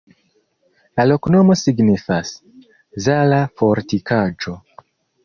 La loknomo signifas: Zala-fortikaĵo.